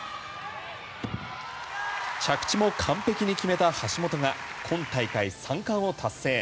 着地も完璧に決めた橋本が今大会３冠を達成。